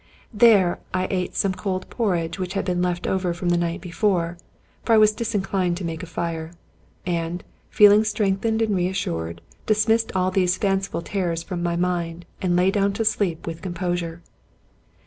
There I eat some cold porridge which had been left over from the night before, for I was disinclined to make a fire; and, feeling strengthened and reassured, dismissed all these fanciful terrors from my mind, and lay down to sleep with composure.